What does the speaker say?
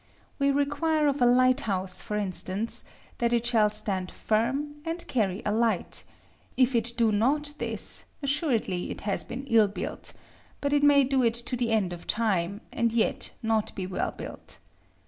We require of a light house, for instance, that it shall stand firm and carry a light; if it do not this, assuredly it has been ill built; but it may do it to the end of time, and yet not be well built.